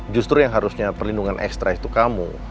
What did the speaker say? justru yang harusnya perlindungan ekstra itu kamu